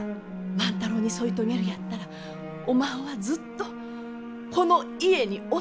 万太郎に添い遂げるやったらおまんはずっとこの家におってえい。